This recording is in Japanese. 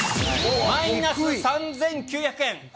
マイナス３９００円。